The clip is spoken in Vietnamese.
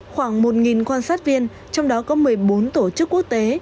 khoảng một quan sát viên trong đó có một mươi bốn tổ chức quốc tế